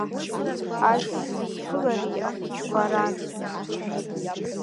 Ас дзысԥылари ахәыҷқәа ран.